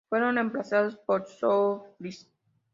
Fueron reemplazados por Soulfly.